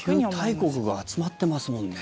石油大国が集まってますもんね。